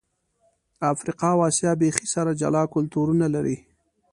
افریقا او آسیا بیخي سره جلا کلتورونه لري.